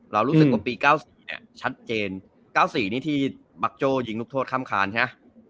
รู้สึกว่าปี๙๔เนี่ยชัดเจน๙๔นี่ที่มักโจ้ยิงลูกโทษข้ามคาญใช่ไหม